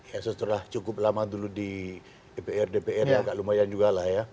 ya setelah cukup lama dulu di dpr dpr ya agak lumayan juga lah ya